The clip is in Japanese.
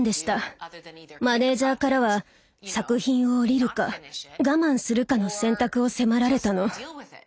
マネージャーからは作品を降りるか我慢するかの選択を迫られたの。